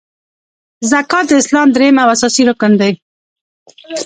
زکات د اسلام دریم او اساسې رکن دی .